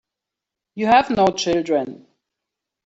You have no children.